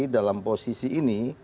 dalam posisi ini